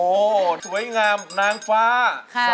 โอ้โฮสวยงามนางฟ้าซาตาล